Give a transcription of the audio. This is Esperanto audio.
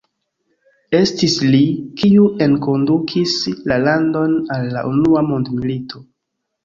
Estis li, kiu enkondukis la landon al la Unua mondmilito.